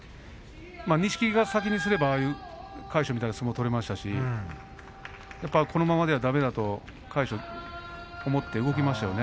錦木が先にすれば魁勝みたいな相撲を取りましたしこのままではだめだと魁勝は思って動きましたね。